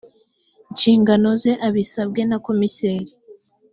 nshingano ze abisabwe na komiseri